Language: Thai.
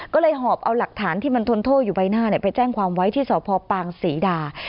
ก็เลยหอบเอาหลักฐานที่มันทนโทษอยู่ใบหน้าไปแจ้งความไว้ที่สพปางศรีดา